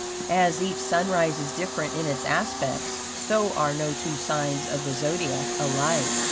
As each sunrise is different in its aspects, so are no two signs of the Zodiac alike.